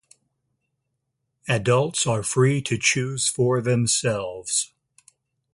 Adults are free to choose for themselves.